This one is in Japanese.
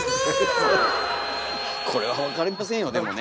これは分かりませんよでもね。